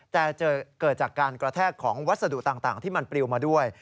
แต่เกิดจากการกระแทกของวัสดุต่างที่มันปลิวมาด้วย